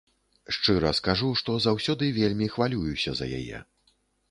Шчыра скажу, што заўсёды вельмі хвалююся за яе.